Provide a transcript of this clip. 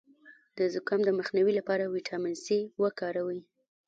د زکام د مخنیوي لپاره ویټامین سي وکاروئ